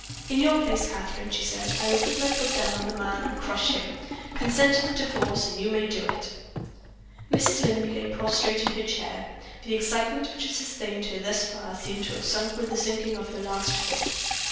"In your place, Catherine," she said, "I would put my foot down on that man and crush him. Consent to the Divorce, and you may do it." Mrs. Linley lay prostrate in her chair. The excitement which had sustained her thus far seemed to have sunk with the sinking of her last hope.